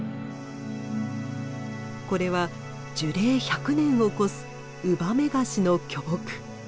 これは樹齢１００年を超すウバメガシの巨木。